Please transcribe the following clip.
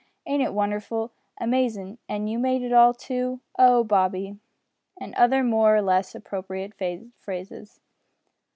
ain't it wonderful? amazin'! an' you made it all too! Oh! Bobby! and other more or less appropriate phrases.